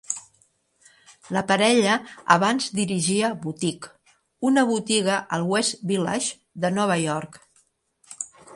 La parella abans dirigia Butik, una botiga al West Village de Nova York.